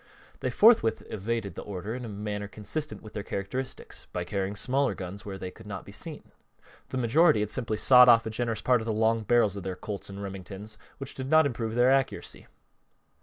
They forthwith evaded the order in a manner consistent with their characteristics by carrying smaller guns where they could not be seen. The majority had simply sawed off a generous part of the long barrels of their Colts and Remingtons, which did not improve their accuracy.